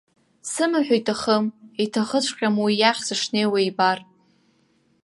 Сымаҳә иҭахым, иҭахыҵәҟьам уи иахь сышнеиуа ибар.